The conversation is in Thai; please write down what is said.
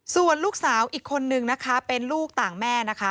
ส่วนลูกสาวอีกคนนึงนะคะเป็นลูกต่างแม่นะคะ